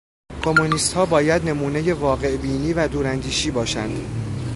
کمونیست ها باید نمونهٔ واقع بینی و دوراندیشی باشند.